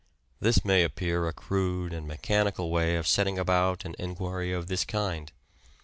This may appear a crude and mechanical way of setting about an enquiry of this kind.